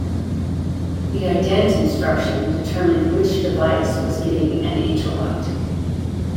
The "ident" instruction determined which device was giving an interrupt.